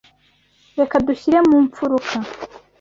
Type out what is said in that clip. Reka dushyire mu mfuruka.